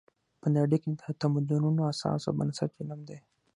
په نړۍ کې د تمدنونو اساس او بنسټ علم دی.